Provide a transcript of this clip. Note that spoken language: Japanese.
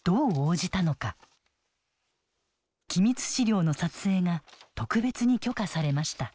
機密史料の撮影が特別に許可されました。